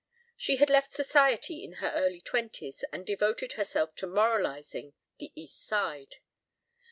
She had left Society in her early twenties and devoted herself to moralizing the East Side.